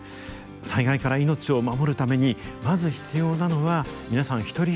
災害から命を守るためにまず必要なのは皆さん一人一人の備えです。